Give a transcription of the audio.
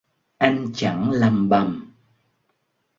Anh chẳng lầm bầm